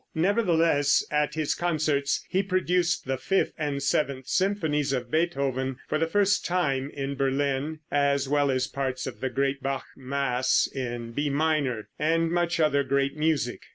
Nevertheless, at his concerts he produced the fifth and seventh symphonies of Beethoven for the first time in Berlin, as well as parts of the great Bach mass in B minor, and much other great music.